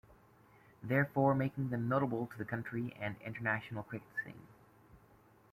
Therefore, making them notable to the county and international cricket scene.